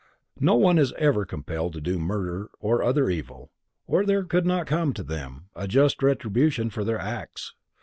No one is ever compelled to do murder or other evil, or there could not come to them a just retribution for their acts.